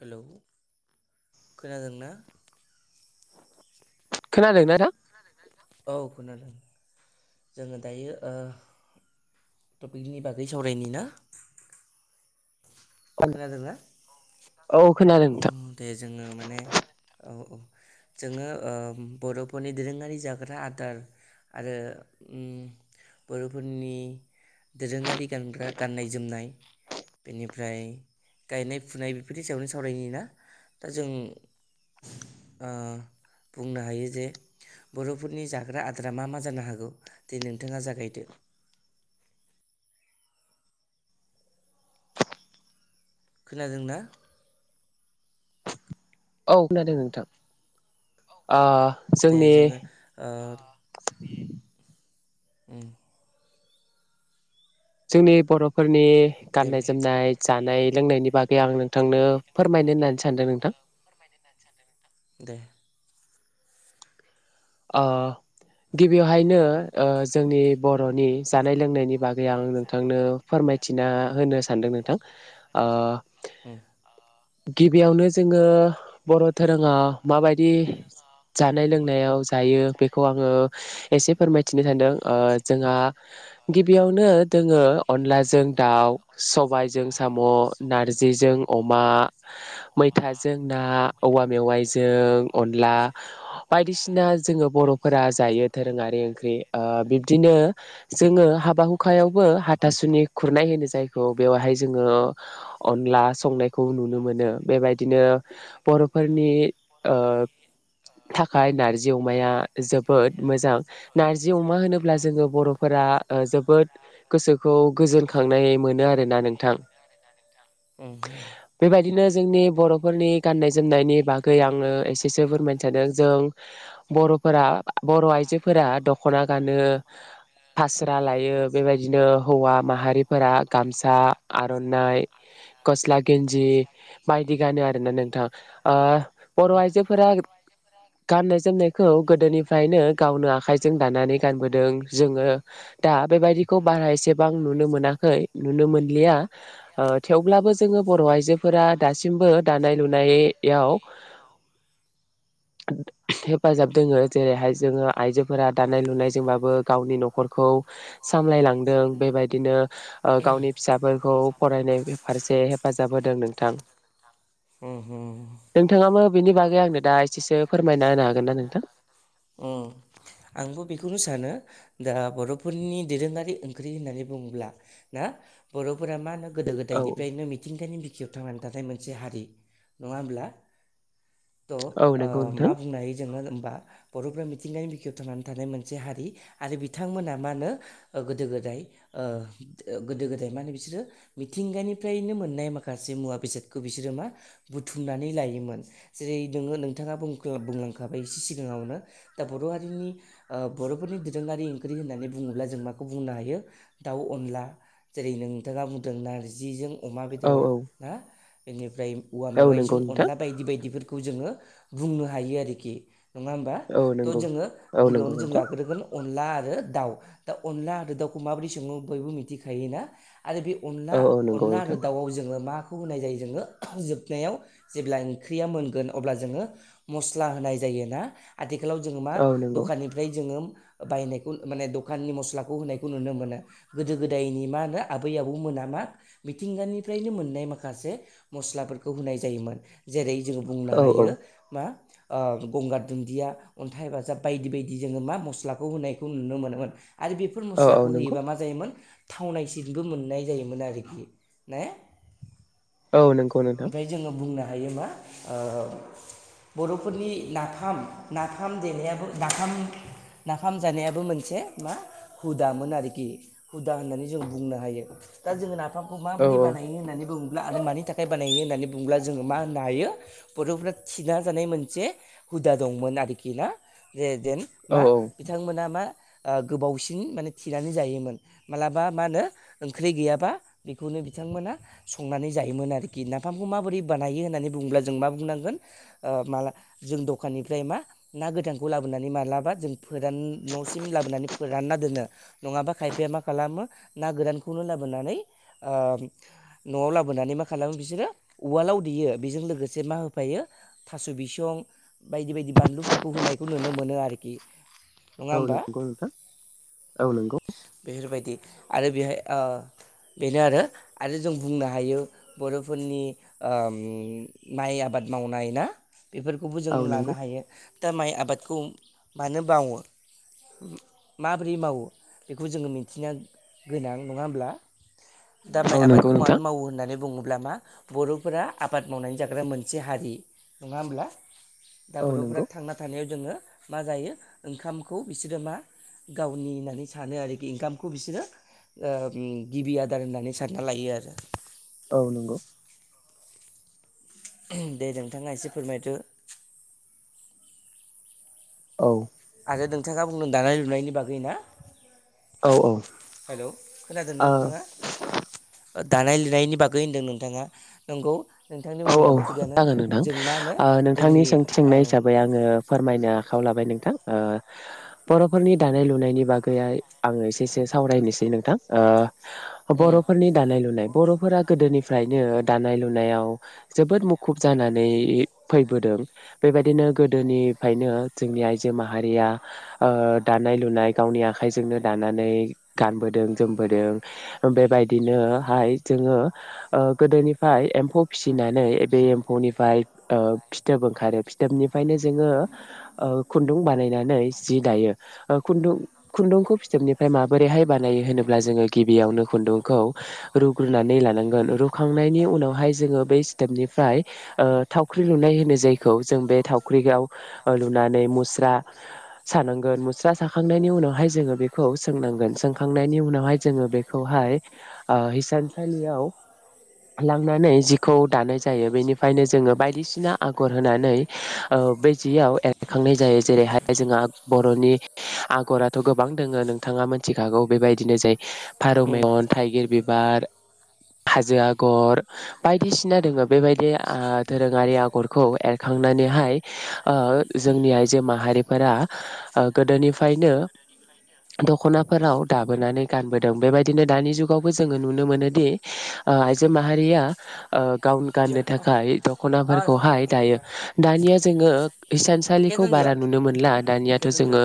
Hello खोनादोंना खोनादों नोंथां औ खोनादों जोङो दायो ओ टपिकनि बागै सावरायनि ना खोनादोंना औ खोनादों नोंथां दे जोङो माने औ औ जोङो ओ बर'फोरनि दोरोङारि जाग्रा आदार आरो उम बर'फोरनि दोरोङारि गानग्रा गाननाय जोमनाय बेनिफ्राय गायनाय फुनाय बेफोरनि सायावनो सावरायनि ना दा जों बुंनो ओ हायो जे बर'फोरनि जाग्रा आदारा मा मा जानो हागौ दि नोंथाङा जागायदो खोनादोंना औ खोनादों नोंथां आं दे जोंनि जोङो ओ उम जोंनि बर'फोर नि दे गाननाय जोमनाय जानाय लोंनायनि बागै आं नोंथांनो फोरमायनो होननानै सानदों नोंथां दे ओ गिबियावहायनो जोंनि बर'नि जानाय लोंनायनि बागै आं नोंथांनो फोरमायथिना होनो सानदों नोंथां ओ उम गिबियावनो जोङो बर' धोरोंआ माबायदि जानाय लोंनायाव हायो बेखौ आङो एसे फोरमायथिनो सान्दों ओ जोंहा गिबियावनो दोङो अनलाजों दाउ सबायजों साम' नारजिजों अमा मैथाजों ना औवा मेवाइजों अनला बायदिसिना जोङो बर'फोरा जायो दोरोङारि ओंख्रि ओ बिबदिनो जोङो हाबा हुखायावबो हाथासुनि खुरनाय होनो जायखौ बेवहाय जोङो अनला संनायखौ नुनो मोनो बेबायदिनो बर'फोरनि ओ थाखाय नारजि अमाया जोबोद मोजां नार्जि अमा होनोब्ला अब्ला जोङो बर'फोरा ओ जोबोद गोसोखौ गोजोनखांनाय मोनो आरोना नोंथां उम उम बेबायदि जोंनि बर'फोरनि गाननाय जोमनायनि बागै आङो एसेसो फोरमायनो सादों जों बर'फोरा बर' आइजोफोरा दखना गानो फास्रा लायो बेबायदिनो हौवा माहारिफोरा गामसा आरनाइ गस्ला गेन्जि बायदि नो नोंथां ओ बर आइजोफोरा गाननाय जोमनायखौ गोदोनिफ्रायनो गावनो आखाइजों दानानै गानबोदों जोङो दा बेबायदिखौ बारा एसेबां नुनो मोनाखै नुनो मोनलिया ओ थेवब्लाबो जोङो बर' आइजोफोरा दासिमबो दानाय लुनायाव [unintelligible] हेफाजाब दोङो जेरैहाय जोङो आइजोफोरा दानाय लुनायजोंबाबो गावनि न'खरखौ सामलायलांदों बेबायदिनो ओ गावनि फिसाफोरखौ फरायनाय फारसे हेफाजाब होदों नोंथां उम उम नोंथाङाबो बेनि बागै आंनो दा एसेसो फोरमायना होनो हागोन ना नोंथां? ओम आंबो बेखौनो सानो दा बर'फोरनि दोरोङारि ओंख्रि होननानै बुङोब्ला ना बर'फोरा मा होनो गोदो औ गोदायनिफ्रायनो मिथिंगानि बिखायाव थानानै नाथाय मोनसे हारि नङा होमब्ला थ औ ओ नंगौ नोंथां मा बुंनो हायो जोङो होमबा बर'फ्रा मिथिंगानि बिखायाव थांनानै थानाय मोनसे हारि आरो बिथांमोना मा होनो ओ गोदो गोदाय ओ गोदो गोदाय मा होनो बिसोरो मिथिंगानिफ्रायनो मोननाय माखासे मुवा बेसादखौ बिसोरो मा बुथुमनानै लायोमोन। जेरै नोङो नोंथाङा बुं बुंलांखाबाय एसे सिगाङावनो दा बर' हारिनि ओ बर' फोरनि दोरोङारि ओंख्रि होननानै बुङोब्ला जों माखौ बुंनो हायो। दाउ अनला जेरै नोंथाङा बुंदों नार्जिजों अमा औ बेदर औ ना बेनिफ्राय औवा औ नंगौ मेवाइजों नोंथां अनला बायदि बायदिफोरखौ खौ जोङो बुंनो हायो आरोखि नङा होमबा। औ ट नंगौ जोङो औ नंगौ गिबियावनो जों नोंथां लाग्रोगोन अनला आरो दाउ दा अनला आरो दाउखौ माबोरै सङो बयबो मिथिखायोना आरो बे अनला औ औ नंगौ अनला आरो नोंथां दाउआव जोङो मा खौ होनाय जायो जोङो जोबनायाव जेब्ला ओंख्रिया मोनगोन अब्ला जोङो मस्ला होनाय जायो ना? आगोलाव जोङो मा औ नंगौ दखाननिफ्राय जोङो बायनायखौ माने दखाननि मस्लाखौ होनायखौ नुनो मोनो। गोदो गोदायनि मा होनो आबै आबौ मोन मा मिथिंगानिफ्रायनो मोननाय माखासे मस्लाफोरखौ होनाय जायोमोन। जेरै जोङो बुंनो औ औ हायो मा ओं गंगार दुन्दिया अन्थाइ बाजाब बायदि बायदि जोङो मा मस्लाखौ होनायखौ नुनो मोनोमोन। आरो बेफोर औ औ मस्लाखौ नंगौ होयोबा मा जायोमोन थावनायसिनबो मोननाय जायोमोन आरोखि ने? औ नोंगौ नोंथां। ओमफ्राय जोङो बुंनो हायो मा ओ बर'फोरनि नाफाम नाफाम देनायाबो नाफाम नाफाम जानायाबो मोनसे मा हुदामोन आरोखि हुदा होननानै जों बुंनो हायो दा जोंङो ना फामखौ औ माबोरै बानायो होननानै बुं ब्ला आरो मानि थाखाय हाय बानायो होननानै बुंब्ला जोङो मा होननो हायो बर'फोरा थिना जानाय मोनसे हुदा दंमोन आरोखि ना? रेजेन औ मा बिथांमोना मा ओ गोबावसिन माने थिनानै जायोमोन मालाबा मा होनो ओंख्रि गैयाबा बेखौनो बिथांमोना संनानै जायोमोन आरोखि। कि नाफामखौ माबोरै बानायो होननानै बुङोब्ला जों मा बुंनांगोन माला जों दखाननिफ्राय मा ना गोथानखौ लाबोनानै मालाबा जों फोरान न'सिम लाबोनानै फोरानना दोनो। नङाबा खायफाया मा खालामो ना गोरानखौनो लाबोनानै ओ न'आव लाबोनानै मा खालामो बिसोरो उवालाव देयो बेजों लोगोसे मा होफायो थास' बिसं बायदि बायदि बानलुफोरखौ होनायखौ नुनो मोनो आरोखि। नङा औ होमबा नंगौ नोंथां औ नंगौ। बेफोरबायदि आरो बेहाय ओ बेनो आरो आरो जों बुंनो हायो बर'फोरनि ओम माइ आबाद मावनाय ना बेफोरखौबो जों औ लानो नंगौ हायो। दा माइ आबादखौ मानो बावो माबोरै मावो बेखौ जोङो मिथिनाया गोनां, नङा होमब्ला? दा औ माइ नंगौ आबादखौ नोंथां मानो मावो होननानै ङोब्ला मा बर'फोरा आबाद मावनानै जाग्रा मोनसे हारि नङा होमब्ला? दा औ बर'फोरा नंगौ थांना थानायाव जोङो मा जायो ओंखामखौ बिसोरो मा गावनि होननानै सानो आरोखि ओंखामखौ बिसोरो गिबि ओम आदार होननानै सानना लायो आरो। औ नंगौ। दे नोंथाङा एसे फोरमायदो। औ। आरो नोंथाङा बुंदों दानाय लुनायनि बागै ना? औ हेलौ खोनादोना औ नोंथाङा? दानाय लुनायनि बागै होनदों नोंथाङा नंगौ नोंथांनि औ औ बुंनायाबो थिगानो जागोन नोंथां जों मा होनो ओ नोंथांनि जोंनि औ सोंनाय हिसाबै आङो फोरमायनो। आखायाव लाबाय नोंथां ओ। बर'फोरनि दानाय लुनायनि बागै। गैया आङो एसे एसे सावरायनोसै नोंथां ओ। उम बर'फोरनि दानाय लुनाय। बर'फोरा गोदोनिफ्रायनो दानाय लुनायाव जोबोद मुखुब जानानै फैबोदों बेबायदिनो गोदोनिफ्रायनो जोंनि आइजो माहारिया ओ दानाय लुनाय गावनि आखाइजोंनो दानानै गानबोदों जोमबोदों बेबायदिनोहाय जोङो गोदोनिफ्राय एम्फौ। फिसिनानै बे एम्फौनिफ्राय ओ फिथोब ओंखारो फिथोबनि बेनिखायनो जोङो ओ। खुन्दुं बानायनानै जि ओ दायो खुन्दुं खुन्दुंखौ फिथोबनिफ्राय माबोरैहाय। बानायो होनोब्ला जोङो गिबियावनो। खुन्दुंखौ रुग्रोननानै लानांगोन रुखांनायनि उनावहाय जोङो। बै इस्तेपनिफ्राय ओ थावख्रि लुनाय होनो जायखौ जों बे थाव फुख्रियाव लुनानै मुस्रा सानांगोन मु साखांनायनि उनावहाय जोङो बेखौ सोंनांगोनों सोंखां। खांनायनि उनावहाय जोङो बेखौहाय आ-हिसानसालियाव लांनानै जि खौ दानाय जायो बेनिफ्रायनो जोङो बायदिसिना आगर होनानै ओ-बे जियाव एरखांनाय जायो जेरैहाय जोंहा बर'नि आगराथ' गोबां दङ नोंथाङा मोन्थिखागौ बेबायदिनो फारौ उम मेगन थाइगिर बिब बिबार हाजो आगर। बायदिसिना दोङो बेबायदि आ-दोरोङारि आगरखौ एरखांनानैहाय ओ-जोंनि आइजो माहारिफोरा गोदोनिफ्रायनो। दख'नाफोराव दाबोनानै गानबोदों बेबायदिनो दानि जुगावबो जोङो नुनो मोनोदि ओ आइजो माहारिया। ओ-गावनो गाननो थाखाय ओइ दख'नाफोरखौहाय दायो दानिया जोङो। ओं हिसानसालिखौ केजन जोआ बारा नुनो मोनला दानियाथ' केजन जोआ जोङो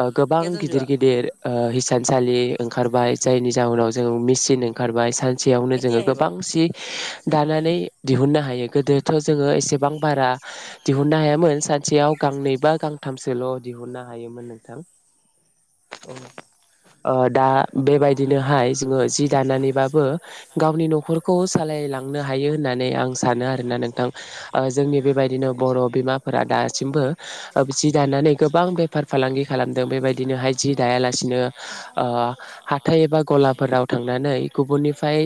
ओ-गोबां केजन गिदिर जोआ गिदिर ओ-हिसानसालि ओंखारबाय जायनि जाउनाव जों मेचिन ओंखारबाय सानसे सेयावनो केतिया जोङो गोबां औ सि दानानै दिहुन। नो हायो गोदोथ' जोङो एसेबां बारा दिहुननो हायामोन सानसेयाव गांनै बा गांथामसोल' दिहुननो हायोमोन नोंथां। औ। ओ-दा बेबायदिनोहाय जोङो। जि दानानैबाबो गावनि न'खरखौ सालायलांनो हायो होननानै आं सा सानो आरोना नोंथां जोंनि बेबायदिनो बर' बिमाफोरा दासिमबो जि दानानै गोबां बेफार फालांगि खालामदों बेबायदिनोहाय जि दायालासिनो ओ-हाथाय एबा गलाफोराव थांनानै गुबुननिफ्राय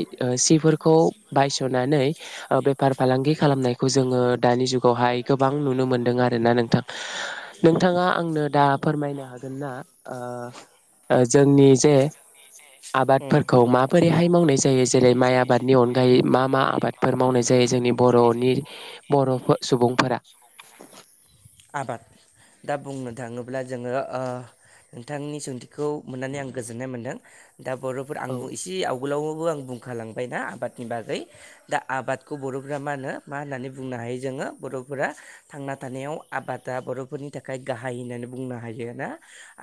सिफोरखौ बायस'नानै बे बेफार फालांगि खालामनायखौ जोङो दानि जुगावहाय गोबां नुनो मोनदों आरोना नोंथां नोंथाङा आंनो दा फोरमायनो हागोन ना ओ जोंनि जे उम आबादफोरखौ बादनि माबोरैहाय मावनाय जायो जेरै माइ आबादनि अनगायै मा अनगायै मा आबादफोर मा मावनाय जायो आबादफोर जोंनि मावनाय जायो बर'नि जोंनि बर'नि बर' बर' सुबुंफोरा सुबुंफोरा? आबाद दा बुंनो थाङोब्ला जोङो ओ नोंथांनि सोंथिखौ मोननानै आं गोजोननाय मोनदों। दा बर'फोर आं औ बु इसे आवगोलावबो आं बुं खालांबायना आबादनि बागै दा आबादखौ बर'फोरा मा होनो मा होननानै बुंनो हायो जोङो बर'फोरा थांना थानायाव आबादा बर'फोरनि थाखाय गाहाय होननानै बुंनो हायो ना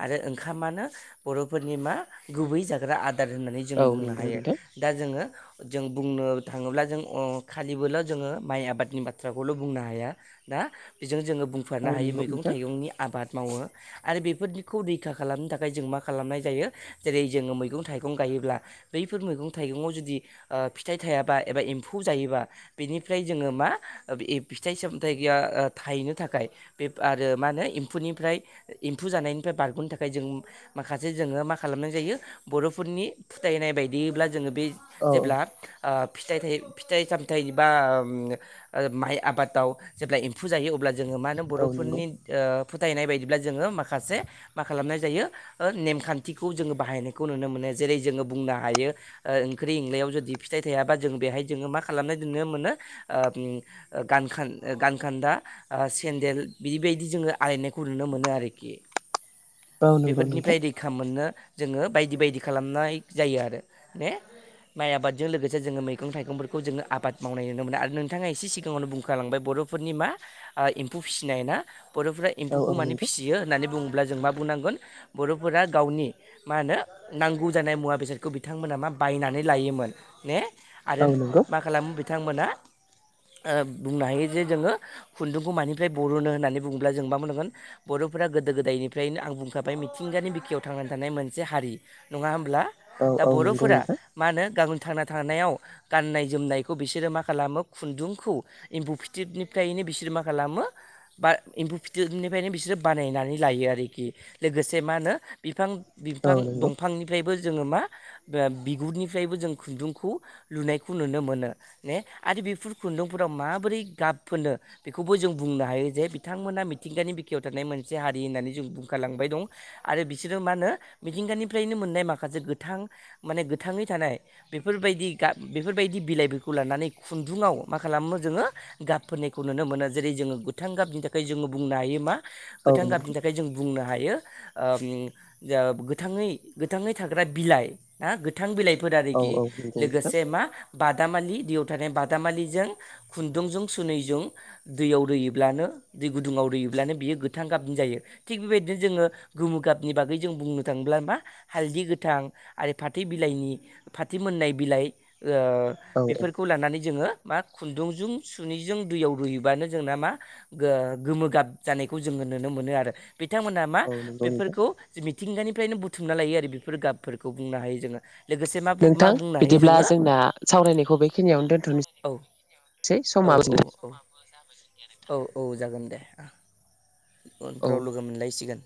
आरो ओंखामानो बर'फोरनि मा गुबै जाग्रा आद दार होननानै जों औ बुंनो नंगौ हायो नोंथां दा जोङो जों बुंनो थाङोब्ला जों अ खालिबोल' जोङो माइ आबादनि बाथ्राखौल' बुंनो हाया दा बिजों जोङो बुंफोरनो औ हायो नंगौ मैगं नोंथां थाइगंनि आबाद। मावो आरो बेफोरदिखौ रैखा खालामनो थाखाय जों मा खालामनाय जायो? जेरै जोङो मैगं थाइगं गायोब्ला बैफोर मैगं थाइगंआव जुदि ओ फिथाइ थायाबा एबा एम्फौ जायोबा बेनिफ्राय जोङो मा ओ ए फिथाइ सामथाया थाइनो थाखाय बे आरो मा होनो एम्फौनिफ्राय एम्फौ जानायनिफ्राय बारग'नो थाखाय जों माखासे जोङो मा खालामनाय जायो बर'फोरनि फोथायनाय बायदिब्ला जोङो बे औ जेब्ला ओ फिथाइ थायो फिथाइ सामथाइ बा ओम ओ माइ आबादाव जेब्ला एम्फौ जायो अब्ला जोङो मा होनो औ नंगौ बर'फोरनि ओ फोथायनाय बायदिब्ला जोङो माखासे मा खालामनाय जायो ओ नेमखान न्थिखौ जोङो बाहायनायखौ नुनो मोनो जेरै जोङो बुंनो हायो ओ ओंख्रि एंलायाव जुदि फिथाइ थायाबा जों बेहाय जोङो मा खालामनाय नुनो मोनो ओ गानखान गानखान्दा ओ सेन्देल बिदिबायदि जोङो आलायनायखौ नुनो मोनो आरोखि। औ नंगौ नोंथां। नो जोङो बायदि बायदि खालामनाय जायो आरो ने माइ आबादजों लोगोसे जोङो मैगं थाइगंफोरखौ जोङो आबाद मावनाय नुनो मोनो आरो नोंथाङा इसे सिगाङावनो बुंखालांबाय बर'फोरनि मा एम्फौ फिसिनाय ना? बर'फ्रा औ एम्फौखौ औ माने नंगौ फिसियो होननानै बुङो अब्ला जों मा बुंनांगोन बर' फोरा गावनि मा होनो नांगौ जानाय मुवा बेसादखौ बिथांमोना मा बायनानै लायोमोन ने? आरो औ नंगौ मा खालामो बि थांमोना ओ बुंनो हायो जे जोङो खुन्दुंखौ मानिफ्राय बर'नो होननानै बुङोब्ला जों मा बुंनांगोन बर'फोरा गोदो गोदायनिफ्रायनो आं बुंखाबाय मिथि थिंगानि बिखायाव थांनानै थानाय मोनसे हारि नङा होमब्ला? औ दा औ नंगौ बर'फोरा नोंथां मा होनो गावोन थांना थानायाव गाननाय जोमनायखौ बिसोरो मा खालामो खुन्दुंखौ एम्फु फिथिबनिफ्रायनो बिसोरो मा खालामो बा एम्फु फिथिबनिफ्रायनो बिसोरो बानायनानै लायो आरोखि लोगोस जे मा होनो बिफां बिफां औ नंगौ दंफांनिफ्रायबो जोङो मा ओ बिगुरनिफ्रायबो जों खुन्दुंखौ लुनायखौ नुनो मोनो ने आरो बेफोर खुन्दुंफोराव माबोरै गाब फोनो बेखौबो जों बुंनो हायो जे बिथांमोना मिथिंगानि बिखायाव थानाय मोनसे हारि होननानै जों बुंखालांबाय दं। आरो बिसोरो मा होनो मिथिंगानिफ्रायनो मोननाय माखासे गोथां माने गोथाङै थानाय बेफोरबायदि गाब बेफोरबायदि बिलाइफोरखौ लानानै खुन्दुङाव मा खालामो जोङो गाब फोननायखौ नुनो मोनो जेरै जोङो गोथां गाबनि थाखाय जोङो बुंनो हायो मा? औ गोथां गाबनि नंगौ थाखाय जों बुंनो हायो। ओम ओ गोथाङै गोथाङै थाग्रा बिलाइ ना गोथां बिलाइ फोर औ आरोखि औ नंगौ नोंथां लोगोसे मा? बादामालि दैयाव थानाय बादामालिजों खुन्दुंजों सुनैजों दैयाव रुयोब्लानो दै गुदुङाव रुयोब्लानो बियो गोथां गाबजों जायो थिग बेबायदिनो जोङो गोमु गाबनि बागै जों बुंनो थाङोब्ला मा हालदै गोथां आरो फाथै बिलाइनि फाथै मोननाय बिलाइ ओ औ बेफोरखौ लानानै जोङो मा खुन्दुंजों सुनिजों दैयाव रुयोबानो जोंना मा ओ गोमो गाब जानायखौ जोङो नुनो मोनो आरो बिथांमोनहा औ नंगौ नोंथां बेफोरखौ मिथिंगानि फ्रायनो बुथुमना लायो आरो बेफोर गाबफोरखौ बुंनो हायो जोङो। लोगोसे मा मा नोंथां बुंनो हायो बिदिब्ला जोङो जोंना सावरायनायखौ बेखिनियावनो दोन्थ' औ नोसै औ समा औ [unintelligible] औ औ औ जागोन दे आ औ उनफ्राव लोगो मोनलायसिगोन।